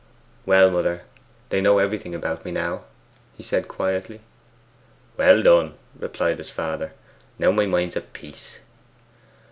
'Well, mother, they know everything about me now,' he said quietly. 'Well done!' replied his father; 'now my mind's at peace.